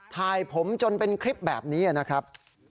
ถ่ายผมจนเป็นคลิปแบบนี้นะครับ